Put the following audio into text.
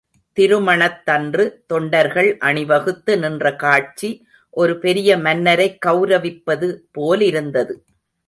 திருமணத்தன்று தொண்டர்கள் அணிவகுத்து நின்ற காட்சி ஒரு பெரிய மன்னரைக் கெளரவிப்பது போலிருந்தது.